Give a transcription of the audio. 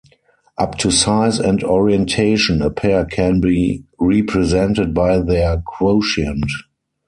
Up to size and orientation, a pair can be represented by their quotient.